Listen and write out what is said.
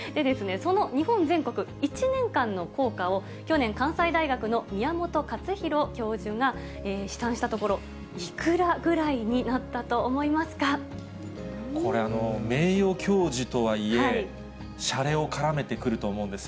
その日本全国１年間の効果を、去年、関西大学の宮本勝浩教授が、試算したところ、いくらぐらいにこれ、名誉教授とはいえ、しゃれを絡めてくると思うんですよ。